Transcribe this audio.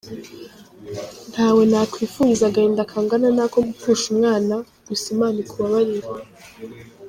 Ntawe nakwifuriza agahinda kangana nako gupfusha umwana, gusa Imana ikubabarire.